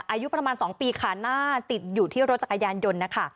อายุประมาณ๒ปีขาหน้าติดอยู่ที่รถจักรยานยนต์นะคะ